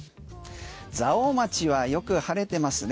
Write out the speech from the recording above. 蔵王町はよく晴れてますね。